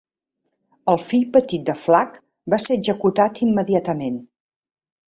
El fill petit de Flac va ser executat immediatament.